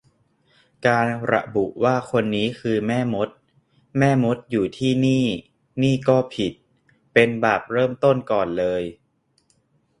การระบุว่าคนนี้คือแม่มด แม่มดอยู่ที่นี่ นี่ก็ผิด เป็นบาปเริ่มต้นเลย ก่อนกิจกรรมล่าจะเกิดขึ้นได้